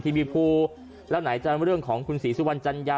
ทีวีภูแล้วไหนจะเรื่องของคุณศรีสุวรรณจัญญา